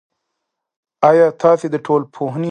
آیا تاسې د ټولنپوهنې له قوانینو خبر یاست؟